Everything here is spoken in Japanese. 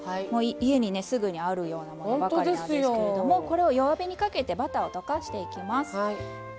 家にねすぐにあるようなものばかりなんですけれどもこれを弱火にかけてバターを溶かしていきます。